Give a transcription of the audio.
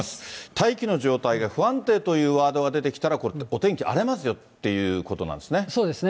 大気の状態が不安定というワードが出てきたら、お天気荒れますよということなんですね。